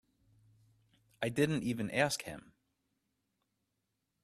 I didn't even ask him.